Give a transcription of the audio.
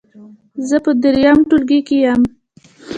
زه په دریم ټولګي کې یم.